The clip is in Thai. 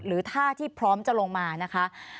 หรือท่าที่พร้อมจะลงมานะคะ